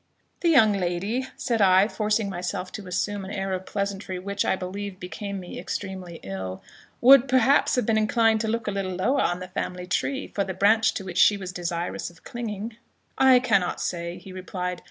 "The young lady," said I, forcing myself to assume an air of pleasantry, which, I believe, became me extremely ill, "would perhaps have been inclined to look a little lower on the family tree, for the branch to which she was desirous of clinging." "I cannot say," he replied.